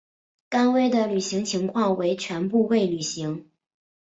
甘薇的履行情况为全部未履行。